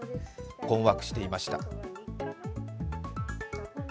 困惑していました。